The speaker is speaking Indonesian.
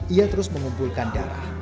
ia terus mengumpulkan darah